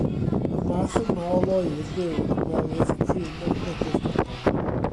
Mae'r math yma o löyn byw yn ymwelydd prin â gwledydd Prydain.